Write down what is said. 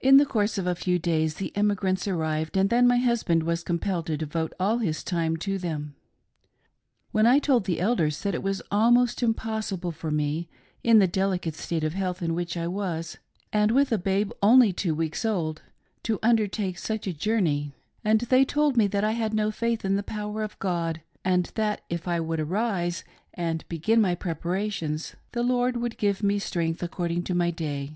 In the course of a few days the emigrants arrived, and then my husband was compelled to devote ^11 his time to them. When I told the Elders that it was almost impossible for me, in the delicate state of health in which I was, and with a babe only two weeks old, to undertake such a journey, they told me that I had no faith in the power of God, and that if I would arise and begin my preparations, the Lord would give wives MAY NOT JUDGE FOR THEMSELVES. 239 me strength according to my day.